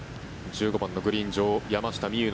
１５番のグリーン上山下美夢